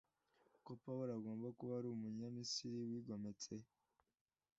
ko Pawulo agomba kuba ari Umunyamisiri wigometse